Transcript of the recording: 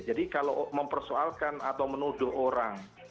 jadi kalau mempersoalkan atau menuduh orang